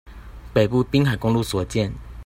北部濱海公路所見